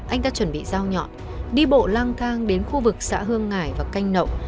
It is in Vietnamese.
anh ta chuẩn bị giao nhọn đi bộ lang thang đến khu vực xã hương ngải và canh nậu